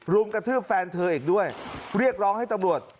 รุมกระทืบแฟนเธออีกด้วยเรียกร้องให้ตำรวจ